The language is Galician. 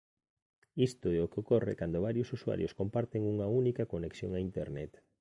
Isto é o que ocorre cando varios usuarios comparten unha única conexión a Internet.